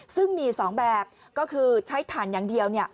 ซึ่งมี๒แบบก็คือใช้ถ่านอย่างเดียว